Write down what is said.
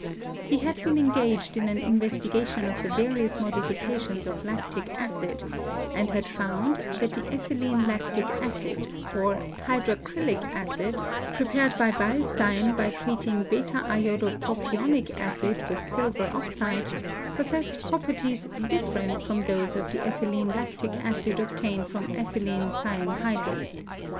He had been engaged in an investigation of the varous modifications of lactic acid, and had found that the ethylene lactic acid, or hydracrylic acid, prepared by Beilstein by treating /2 iodo propionic acid with silver oxide, possessed properties different from those of the ethylene lactic acid obtained from ethylene cyanhydrin.